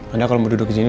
anda kalau mau duduk disini